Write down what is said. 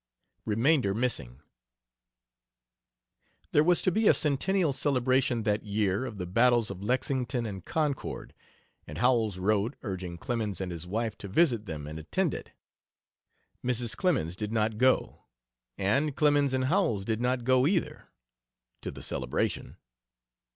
(Remainder missing.) There was to be a centennial celebration that year of the battles of Lexington and Concord, and Howells wrote, urging Clemens and his wife to visit them and attend it. Mrs. Clemens did not go, and Clemens and Howells did not go, either to the celebration.